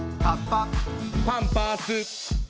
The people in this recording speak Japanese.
パンパース。